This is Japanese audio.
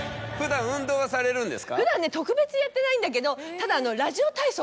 普段ね特別やってないんだけどただ。